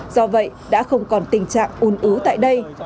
do vậy đã không còn tình trạng un ứ tại đây